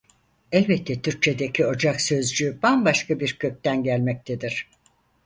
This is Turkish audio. Elbette Türkçedeki ocak sözcüğü bambaşka bir kökten gelmektedir.